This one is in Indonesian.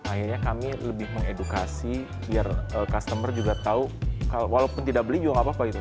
akhirnya kami lebih mengedukasi biar customer juga tahu walaupun tidak beli juga nggak apa apa gitu